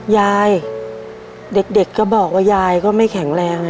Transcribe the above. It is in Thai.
ยายเด็กก็บอกว่ายายก็ไม่แข็งแรง